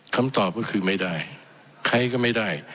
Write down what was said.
คำตอบก็คือไม่ได้ใครก็ไม่ได้